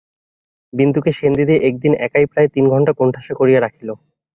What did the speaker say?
বিন্দুকে সেনদিদি একদিন একাই প্রায় তিনঘণ্টা কোণঠাসা করিয়া রাখিল।